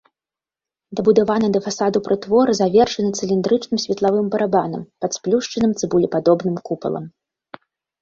Дабудаваны да фасаду прытвор завершаны цыліндрычным светлавым барабанам пад сплюшчаным цыбулепадобным купалам.